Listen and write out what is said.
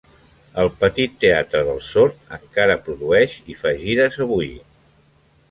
El petit teatre dels sord encara produeix i fa gires avui.